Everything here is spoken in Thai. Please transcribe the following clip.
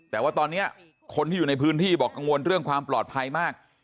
แต่ว่าตอนนี้คนที่อยู่ในพื้นที่บอกกังวลเรื่องความปลอดภัยมาก